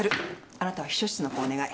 あなたは秘書室の子をお願い。